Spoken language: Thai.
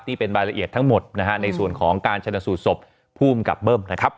ที่เป็นรายละเอียดทั้งหมดนะฮะในส่วนของการชนสูตรศพภูมิกับเบิ้มนะครับ